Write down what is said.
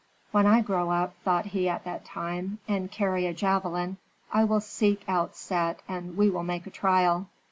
"When I grow up," thought he at that time, "and carry a javelin, I will seek out Set and we will make a trial."